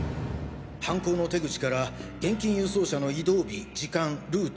犯行の手口から現金輸送車の移動日時間ルート